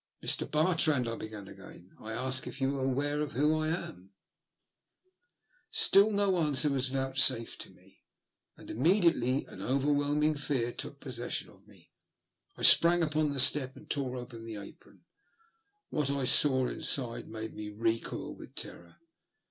" Mr. Bartrand," I began again, " I ask you if you are aware who I am ?" 94 THE LUST OF HATE. Still no answer was vouchsafed to me, and im mediately an overwhelming fear took possession of me. I sprang npon the step and tore open the apron. What I saw inside made me recoil with terror.